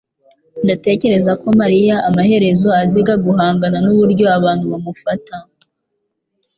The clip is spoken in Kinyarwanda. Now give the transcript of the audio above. Ndatekereza ko mariya amaherezo aziga guhangana nuburyo abantu bamufata